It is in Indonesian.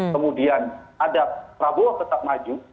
kemudian ada prabowo tetap maju